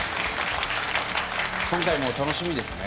今回も楽しみですね。